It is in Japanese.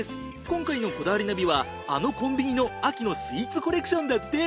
今回の『こだわりナビ』はあのコンビニの秋のスイーツコレクションだって。